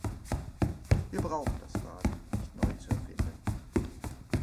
Wir brauchen das Rad nicht neu zu erfinden.